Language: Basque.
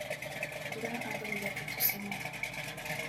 Ura ardo bilakatu zen eguna.